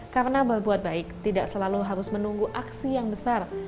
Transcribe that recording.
karena berbuat baik tidak selalu harus menunggu aksi yang besar